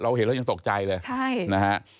เราเห็นแล้วยังตกใจเลย